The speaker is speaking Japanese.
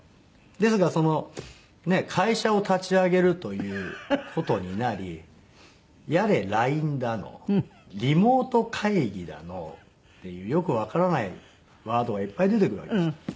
ですがその会社を立ち上げるという事になりやれＬＩＮＥだのリモート会議だのっていうよくわからないワードがいっぱい出てくるわけです。